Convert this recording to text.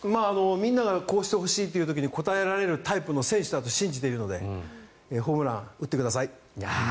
みんながこうしてほしいという時に応えられるタイプの選手だと信じているのでホームラン打ってください。